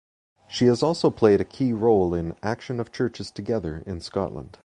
She has also played a key role in Action of Churches Together in Scotland.